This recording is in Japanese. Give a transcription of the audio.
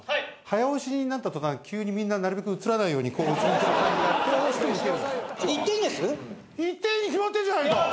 早押しになった途端急にみんななるべく映らないようにこううつむいてる感じが。